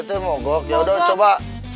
itu mogok yaudah coba